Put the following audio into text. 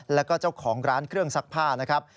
แล้วก็เจ้าของร้านเครื่องซักผ้านะครับ